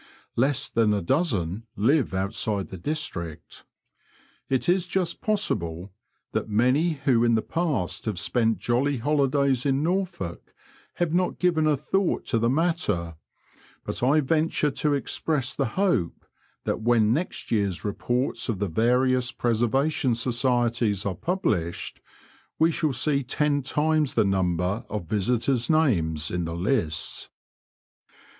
less than a dozen live outside the district. It is just possible that many who in the past have spent jolly holidays in Norfolk have not given a thought to the matter, but I venture to express the hope that when next year's reports of the various Preservation Societies are published, we shall see ten times the number of visitors' names in the lists.